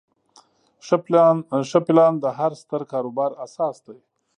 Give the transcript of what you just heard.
ښه پلان د هر ستر کاروبار اساس دی.